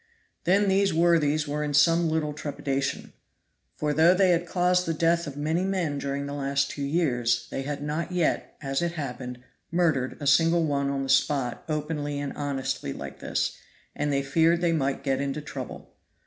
Then these worthies were in some little trepidation; for though they had caused the death of many men during the last two years, they had not yet, as it happened, murdered a single one on the spot openly and honestly like this; and they feared they might get into trouble.